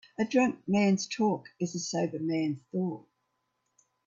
A drunk man's talk is a sober man's thought.